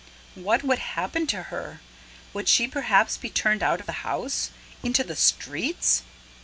What would happen to her? Would she perhaps be turned out of the house? ... into the streets?